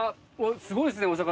すごいですねお魚。